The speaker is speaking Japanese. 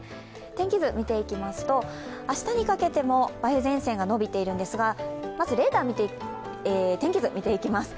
天気図、見ていきますと明日にかけても梅雨前線が延びているんですがまず天気図を見ていきます。